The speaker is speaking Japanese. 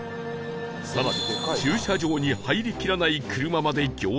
更に駐車場に入りきらない車まで行列に